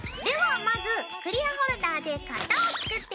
まずクリアホルダーで型を作っていきます。ＯＫ。